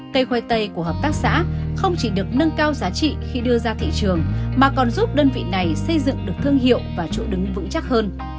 cây khoai tây của hợp tác xã không chỉ được nâng cao giá trị khi đưa ra thị trường mà còn giúp đơn vị này xây dựng được thương hiệu và chỗ đứng vững chắc hơn